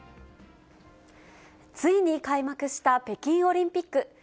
ついに開幕した北京オリンピック。